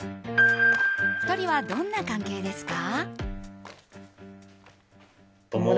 ２人はどんな関係ですか？